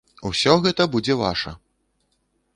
Усё гэта будзе ваша!